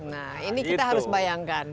nah ini kita harus bayangkan